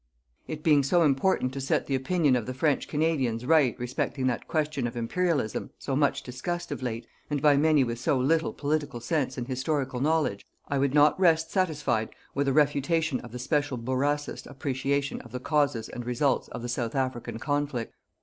It being so important to set the opinion of the French Canadians right respecting that question of Imperialism, so much discussed of late, and by many with so little political sense and historical knowledge, I would not rest satisfied with a refutation of the special Bourassist appreciation of the causes and results of the South African conflict.